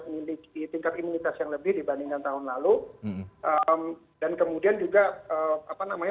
memiliki tingkat imunitas yang lebih dibandingkan tahun lalu dan kemudian juga apa namanya